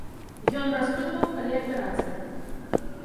Ён распытваў, калі аперацыя.